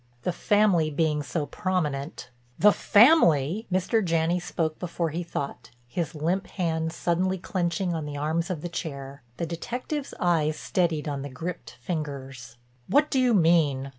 The family being so prominent—" "The family!" Mr. Janney spoke before he thought, his limp hands suddenly clenching on the arms of the chair. The detective's eyes steadied on the gripped fingers. "What do you mean?